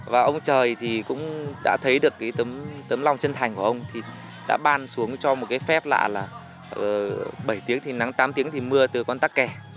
và ông trời thì cũng đã thấy được cái tấm lòng chân thành của ông thì đã ban xuống cho một cái phép lạ là bảy tiếng thì nắng tám tiếng thì mưa từ con tắc kè